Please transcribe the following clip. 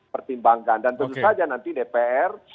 pertimbangkan dan tentu saja nanti dpr